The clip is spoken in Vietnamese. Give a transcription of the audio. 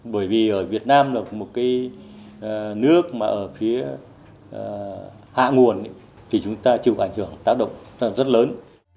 bởi vì ở việt nam là một cái nước mà ở phía hạ nguồn thì chúng ta chịu ảnh hưởng tác động rất lớn